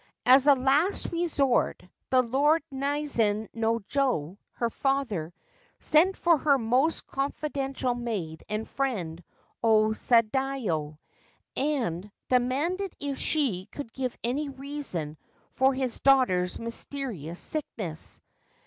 As a last resource, the Lord Naizen no jo, her father, sent for her most confidential maid and friend, O Sadayo, and demanded if she could give any reason for his daughter's mysterious sickness.